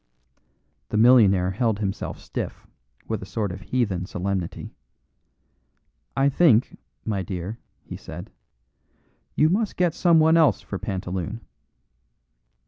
The millionaire held himself stiff with a sort of heathen solemnity. "I think, my dear," he said, "you must get someone else for pantaloon."